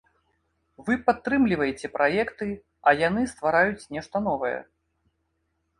Вы падтрымліваеце праекты, а яны ствараюць нешта новае.